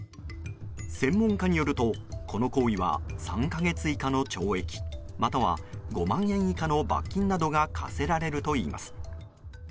専門家によると、この行為は３か月以下の懲役または５万円以下の罰金などが課せられるといいます。